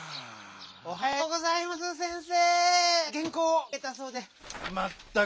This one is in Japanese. おはようございます先生！